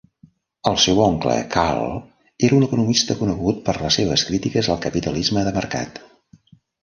El seu oncle, Karl, era un economista conegut per les seves crítiques al capitalisme de mercat.